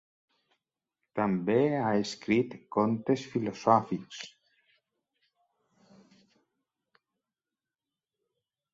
També ha escrit contes filosòfics.